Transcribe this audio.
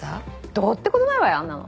どうって事ないわよあんなの。